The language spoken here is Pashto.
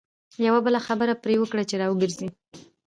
یوه بله خبره پر وکړه چې را وګرځي.